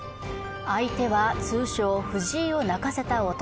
相手は通称、藤井を泣かせた男。